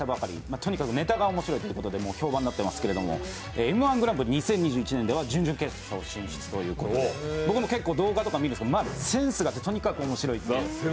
とにかくネタがおもしろいということで評判になっていますけど「Ｍ−１グランプリ２０２１」では準々決勝進出ということで僕も動画とか見るんですけどセンスがあって面白い。